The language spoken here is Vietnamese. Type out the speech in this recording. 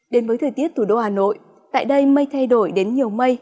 đến với thời tiết thủ đô hà nội tại đây mây thay đổi đến nhiều mây